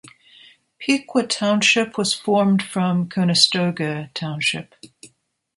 Pequea Township was formed from Conestoga Township.